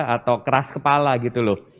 atau keras kepala gitu loh